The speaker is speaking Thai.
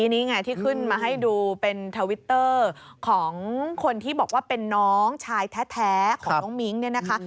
น้องชายแท้ของน้องมิ้งเนี่ยนะคะ